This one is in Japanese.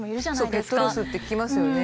ペットロスって聞きますよね。